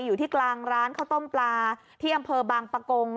อยู่ที่กลางร้านข้าวต้มปลาที่อำเภอบางปะกง